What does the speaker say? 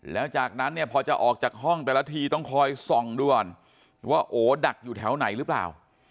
แล้วจากนั้นเนี่ยพอจะออกจากห้องแต่ละทีต้องคอยส่องดูก่อนว่าโอดักอยู่แถวไหนหรือเปล่า